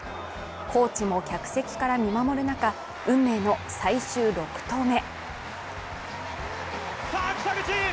コーチも客席から見守る中、運命の最終６投目。